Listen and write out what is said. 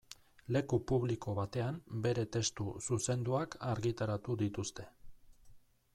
Leku publiko batean bere testu zuzenduak argitaratu dituzte.